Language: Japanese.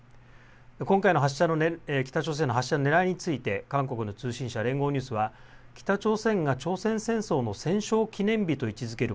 今回の北朝鮮の発射のねらいについて韓国の通信社、連合ニュースは北朝鮮が朝鮮戦争の戦勝記念日と位置づける